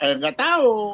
eh nggak tahu